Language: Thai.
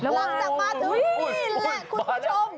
หลังจากมาถึงนี่แหละคุณผู้ชม